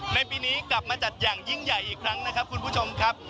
ในปีนี้กลับมาจัดอย่างยิ่งใหญ่อีกครั้งนะครับคุณผู้ชมครับ